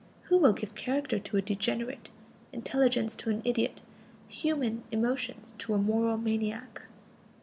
Who will give character to a degenerate, intelligence to an idiot, human emotions to a moral maniac?